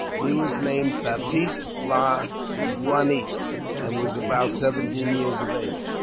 He was named Baptiste La Jeunesse, and was about seventeen years of age.